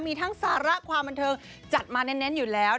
มีทั้งสาระความบันเทิงจัดมาเน้นอยู่แล้ว